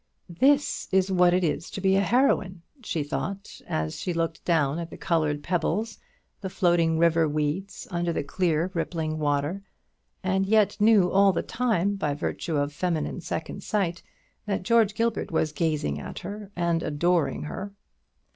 "This is what it is to be a heroine," she thought, as she looked down at the coloured pebbles, the floating river weeds, under the clear rippling water; and yet knew all the time, by virtue of feminine second sight, that George Gilbert was gazing at her and adoring her.